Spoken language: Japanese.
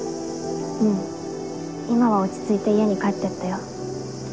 うん今は落ち着いて家に帰ってったよ。